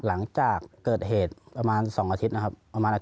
หลังจากเกิดเหตุประมาณ๒อาทิตย์นะครับ